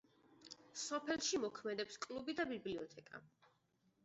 სოფელში მოქმედებს კლუბი და ბიბლიოთეკა.